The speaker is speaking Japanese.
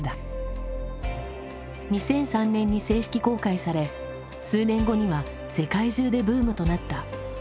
２００３年に正式公開され数年後には世界中でブームとなった。